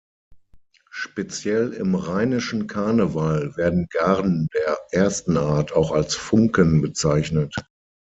Speziell im rheinischen Karneval werden Garden der ersten Art auch als Funken bezeichnet.